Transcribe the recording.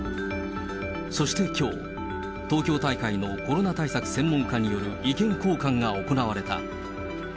そしてきょう、東京大会のコロナ対策専門家による意見交換が行われた。